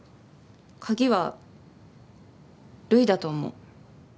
鍵はルイだと思う。